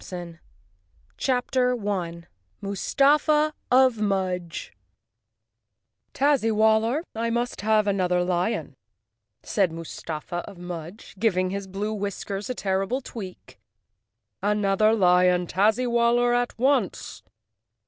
285 Chapter 1 Mustafa of Mudge "rriAZZ y WALLER, I must have another lion," said Mustafa of Mudge, giving his blue whiskers a terrible tweak. "Another lion, Tazzy waller, at once!"